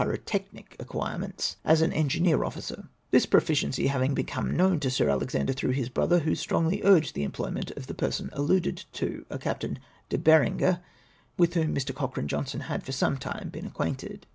^otecIinic acquirements, as an engineer officer ; this proficiency having become known to Sir Alexander through his brother, who, strongly urged the employment of the person alluded to, a Captain De Berenger, with whom Mr. Cochrane Johnstone had been for some time acquainted.